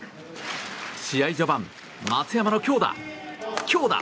試合序盤、松山の強打！